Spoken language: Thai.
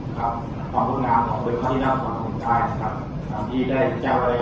ที่ได้แค่ก้องบุญบังกลวงจากมหาวิทยาลัย